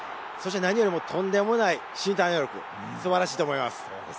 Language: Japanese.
何よりもとんでもない身体能力、素晴らしいと思います。